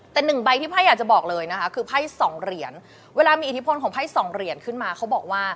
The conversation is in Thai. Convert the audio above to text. แต่หนึ่งใบที่ไพ่อยากจะบอกเลยนะคะคือไพ่สองเหรียญเวลามีอิทธิพลของไพ่สองเหรียญขึ้นมาเขาบอกว่า